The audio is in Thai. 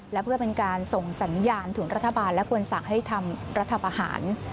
และเพื่อเป็นการส่งสัญญาณถึงรัฐบาลและควรสั่งให้ทำรัฐประหาร